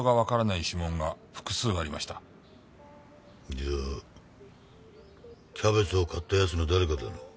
じゃあキャベツを買った奴の誰かだろう。